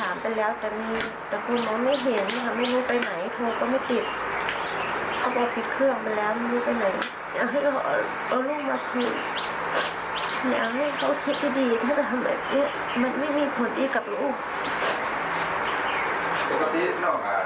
อยากให้เขาคิดดีถ้าทำแบบนี้มันไม่มีผลดีกับลูก